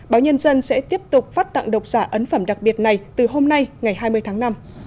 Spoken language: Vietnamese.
báo nhân dân sẽ tiếp tục phát tặng độc giả ấn phẩm đặc biệt này từ hôm nay ngày hai mươi tháng năm